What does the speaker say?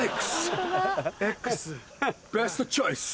ベストチョイス。